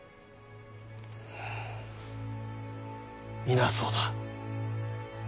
皆そうだ。